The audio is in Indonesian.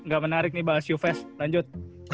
nggak menarik nih bahas yuves lanjut